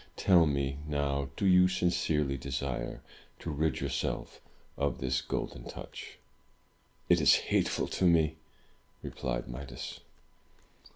Tell me, now, do you sincerely desire to rid yourself of this Golden Touch?" "It is hateful to me!" replied Midas.